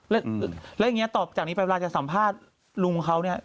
แล้วอย่างนี้ต่อจากนี้ไปเวลาจะสัมภาษณ์ลุงของเขาเนี่ย